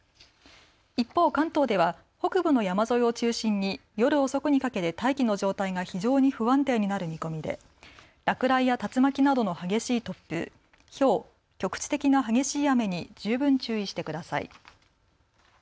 一方、関東では北部の山沿いを中心に夜遅くにかけて大気の状態が非常に不安定になる見込みで落雷や竜巻などの激しい突風、ひょう、局地的な激しい雨に十分注意してください。